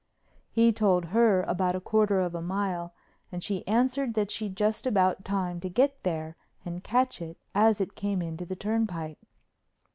He told her about a quarter of a mile and she answered that she'd just about time to get there and catch it as it came into the turnpike.